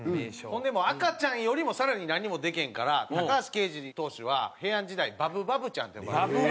ほんでもう赤ちゃんよりも更に何もできへんから高橋奎二投手は平安時代に「バブバブちゃん」って呼ばれてて。